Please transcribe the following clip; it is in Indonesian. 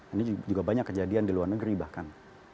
ini juga banyak kejadian di luar negeri bahkan